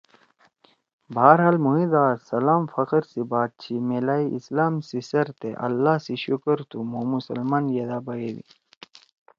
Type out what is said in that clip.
بہرحال مھوئے دا سالام فخر سی بات چھی میلائی اسلام سی سر تے اللّٰہ سی شُکر تُھو مھو مسلمان یِدا بیَدی۔